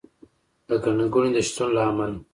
د ګڼه ګوڼې د شتون له امله